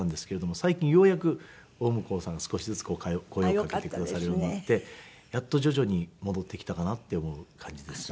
最近ようやく大向こうさん少しずつ声をかけてくださるようになってやっと徐々に戻ってきたかなって思う感じですね。